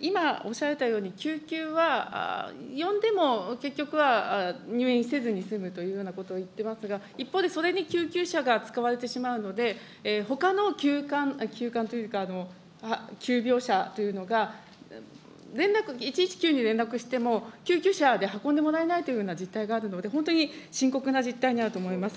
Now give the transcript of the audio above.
今、おっしゃられたように、救急は呼んでも結局は、入院せずに済むということをいっておりますが、一方でそれに救急車が使われてしまうので、ほかの急患、急患というか、急病者というのが、連絡、１１９に連絡しても、救急車で運んでもらえないというような実態があるので、本当に深刻な実態にあると思います。